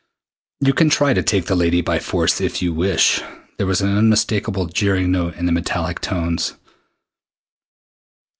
"You can try to take the lady by force if you wish." There was an unmistakable jeering note in the metallic tones.